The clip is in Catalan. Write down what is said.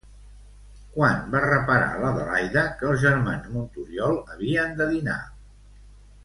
Quan va reparar l'Adelaida que els germans Montoriol havien de dinar?